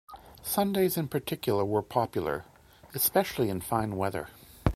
Sundays in particular were popular, especially in fine weather.